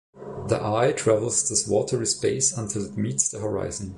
The eye travels this watery space until it meets the horizon.